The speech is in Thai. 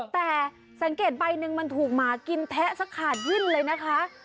แต่สังเกตใบหนึ่งมันถูกหมากินแทะสักขาดวิ่นเลยนะคะ